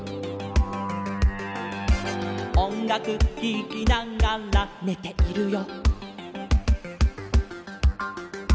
「おんがくききながらねているよ」